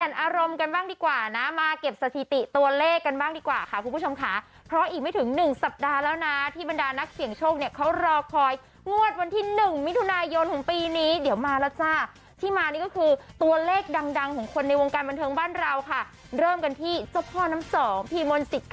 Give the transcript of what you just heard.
อารมณ์กันบ้างดีกว่านะมาเก็บสถิติตัวเลขกันบ้างดีกว่าค่ะคุณผู้ชมค่ะเพราะอีกไม่ถึงหนึ่งสัปดาห์แล้วนะที่บรรดานักเสี่ยงโชคเนี่ยเขารอคอยงวดวันที่๑มิถุนายนของปีนี้เดี๋ยวมาแล้วจ้าที่มานี่ก็คือตัวเลขดังดังของคนในวงการบันเทิงบ้านเราค่ะเริ่มกันที่เจ้าพ่อน้ำสองพี่มนต